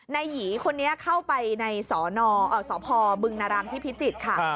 หยีคนนี้เข้าไปในสพบึงนารังที่พิจิตรค่ะ